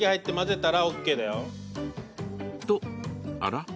とあら？